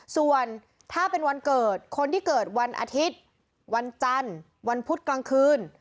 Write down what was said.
ส่วนถ้าเป็นวันเกิดคนที่เกิดวันอาทิตย์วันจันทร์วันพุธกลางคืน